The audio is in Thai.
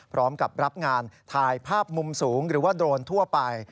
พร้อมกับรับงานถ่ายภาพมุมสูงหรือว่าโดรนทั่วไป